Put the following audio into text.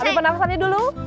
aduh pernafasannya dulu